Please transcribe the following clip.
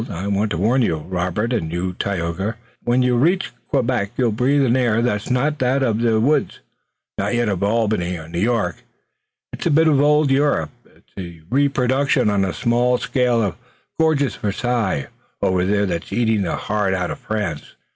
I want to warn you, Robert, and you, Tayoga, that when you reach Quebec you'll breathe an air that's not that of the woods, nor yet of Albany or New York. It's a bit of old Europe, it's a reproduction on a small scale of the gorgeous Versailles over there that's eating the heart out of France.